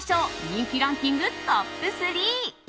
人気ランキングトップ３！